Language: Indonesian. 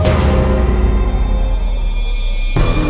jangan sampai aku kemana mana